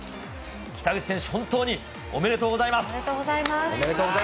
北口選手、本当におめでとうござおめでとうございます。